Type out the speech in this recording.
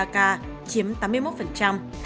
ba mươi ba ca chiếm tám mươi một